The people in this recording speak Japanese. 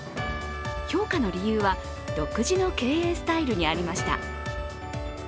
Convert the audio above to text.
評価の理由は独自の経営スタイルにありました。